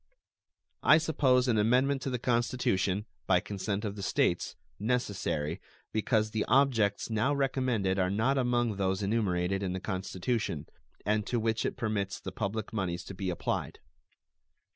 I suppose an amendment to the Constitution, by consent of the States, necessary, because the objects now recommended are not among those enumerated in the Constitution, and to which it permits the public moneys to be applied.